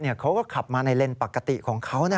เขาก็ขับมาในเลนส์ปกติของเขา